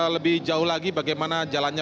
lebih jauh lagi bagaimana jalannya